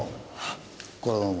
これはどうも。